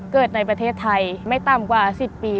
เกิดในประเทศไทยไม่ต่ำกว่า๑๐ปี